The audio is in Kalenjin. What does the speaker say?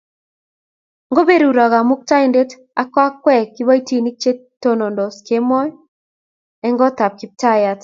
Ngoberurok Kamuktaindet akwek kiboitink che tonondos kemoi eng kotap Kiptayat